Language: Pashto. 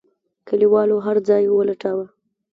کليوالو هرځای ولټاوه.